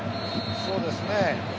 そうですね。